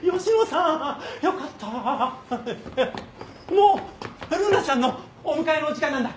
もうるなちゃんのお迎えの時間なんだ。